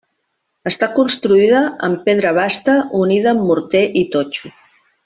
Està construïda amb pedra basta unida amb morter i totxo.